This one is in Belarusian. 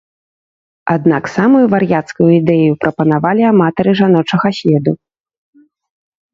Аднак самую вар'яцкую ідэю прапанавалі аматары жаночага следу.